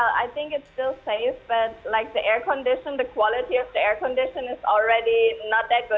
saya pikir itu masih aman tapi kondisi udara sudah tidak begitu baik lagi